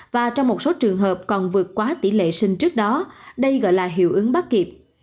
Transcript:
và trong một số trường hợp còn vượt quá tỷ lệ sinh trước đó đây gọi là hiệu ứng bắt kịp